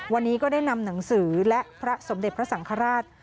วันนี้ก็ได้นำหนังสือและพระสมเด็จพระสังฆราช